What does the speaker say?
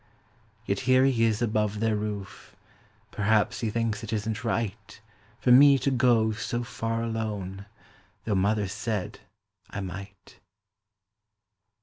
Yet here he is above their roof; Perhaps he thinks it isn't right For me to go so far alone, Tho' mother said I might.